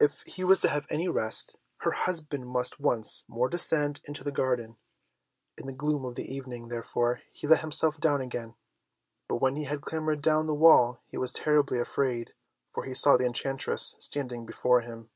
If he was to have any rest, her husband must once more descend into the garden. In the gloom of evening, therefore, he let himself down again; but when he had clambered down the wall he was terribly afraid, for he saw the enchantress standing before him.